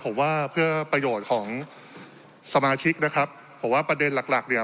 ผมว่าเพื่อประโยชน์ของสมาชิกนะครับผมว่าประเด็นหลักหลักเนี่ย